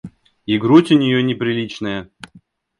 И грудь у нее неприличная.